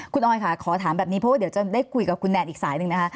คุณออยค่ะขอถามแบบนี้เพราะว่าเดี๋ยวจะได้คุยกับคุณแนนอีกสายหนึ่งนะคะ